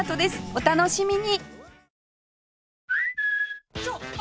お楽しみに